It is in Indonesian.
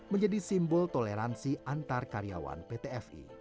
menjadi simbol toleransi antar karyawan pt fi